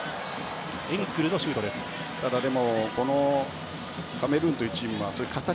エンクルのシュートでした。